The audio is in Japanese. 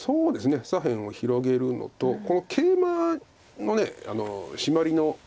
左辺を広げるのとケイマのシマリの。